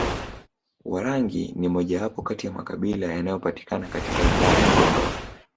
Warangi ni mojawapo kati ya makabila yanayopatikana katika wilaya ya Kondoa